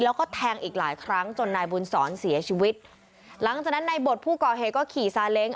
แล้วก็แทงอีกหลายครั้งจนนายบุญศรเสียชีวิตหลังจากนั้นนายบทผู้ก่อเหตุก็ขี่ซาเล้ง